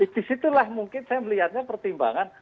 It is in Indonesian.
di situlah mungkin saya melihatnya pertimbangan